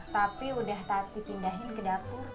tapi udah tadi pindahin ke dapur